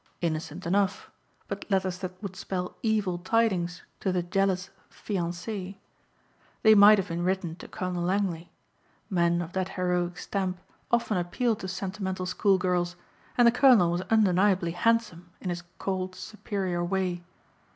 Innocent enough, but letters that would spell evil tidings to the jealous fiancé. They might have been written to Colonel Langley. Men of that heroic stamp often appealed to sentimental school girls and the colonel was undeniably handsome in his cold superior way.